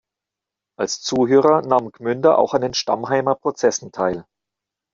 Als Zuhörer nahm Gmünder auch an den Stammheimer Prozessen teil.